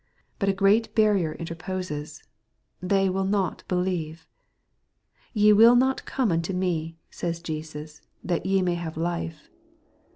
But a great barrier interposes ;— they will not believe. " Ye will not come unto me,*' says Jesus, " that ye might have life."